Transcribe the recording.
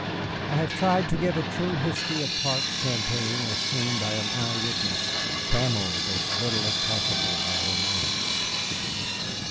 I have tried to give a true history of Clark's campaign as seen by an eyewitness, trammelled as little as possible by romance.